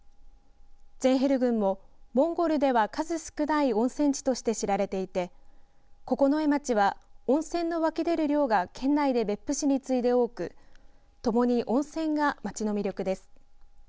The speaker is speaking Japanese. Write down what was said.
ツェンヘル郡もモンゴルでは数少ない温泉地として知られていて九重町は温泉の湧き出る量が県内で別府市に次いで多くともに温泉が街の魅力です。